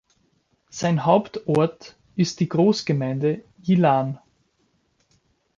Sein Hauptort ist die Großgemeinde Yilan.